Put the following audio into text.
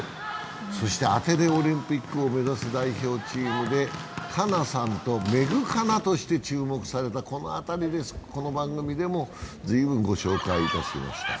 そしてアテネオリンピックを目指す代表チームで加奈さんとメグカナとして注目された、この辺りで、この番組でも随分ご紹介いたしました。